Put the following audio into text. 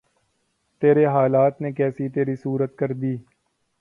تیرے حالات نے کیسی تری صورت کر دی